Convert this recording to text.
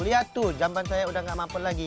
lihat tuh jamban saya udah nggak mampet lagi